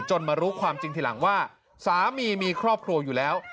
มารู้ความจริงทีหลังว่าสามีมีครอบครัวอยู่แล้ว